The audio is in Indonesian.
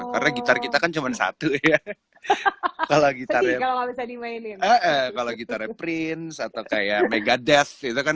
karena gitar kita kan cuman satu ya kalau gitar kalau gitar prince atau kayak megadeth itu kan